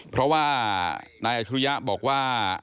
เพราะว่านายอัชรุยะบอกว่า